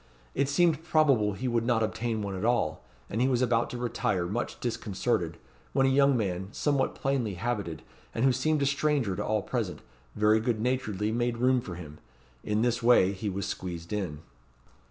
It seemed probable he would not obtain one at all; and he was about to retire, much disconcerted, when a young man somewhat plainly habited, and who seemed a stranger to all present, very good naturedly made room for him. In this way he was squeezed in.